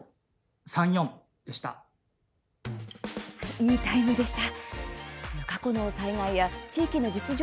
いいタイムでした。